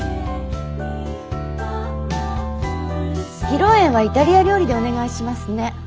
披露宴はイタリア料理でお願いしますね。